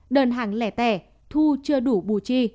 đơn hàng lẻ tẻ thu chưa đủ bù chi